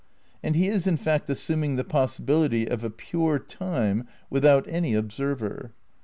And he is in fact assum ing the possibility of a pure Time without any observer.